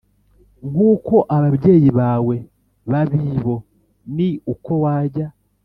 nk uko ababyeyi bawe babibo Ni uko wajya